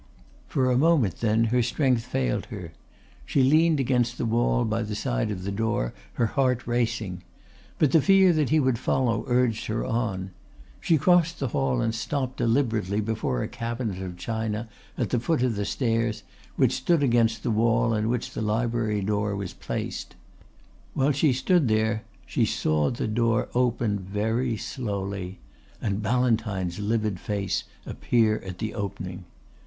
For a moment then her strength failed her; she leaned against the wall by the side of the door, her heart racing. But the fear that he would follow urged her on. She crossed the hall and stopped deliberately before a cabinet of china at the foot of the stairs, which stood against the wall in which the library door was placed. While she stood there she saw the door open very slowly and Ballantyne's livid face appear at the opening.